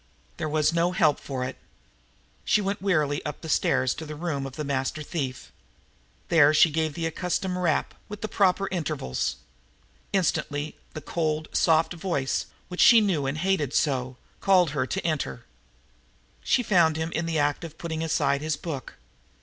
There was no help for it. She went wearily up the stairs to the room of the master thief. There she gave the accustomed rap with the proper intervals. Instantly the cold, soft voice, which she knew and hated so, called to her to enter. She found him in the act of putting aside his book.